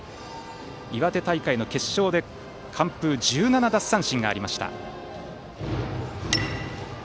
岩手大会の決勝で完封、１７奪三振がありました。